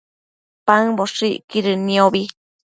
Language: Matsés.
paëmboshëcquidën niobi